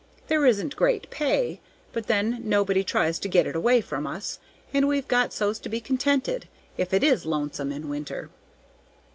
There isn't great pay, but then nobody tries to get it away from us, and we've got so's to be contented, if it is lonesome in winter."